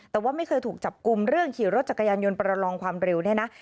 แต่ว่าไม่เคยถูกจับกลุ่มเรื่องขี่รถจักรยานยนต์ประลองความเร็วเนี่ยนะ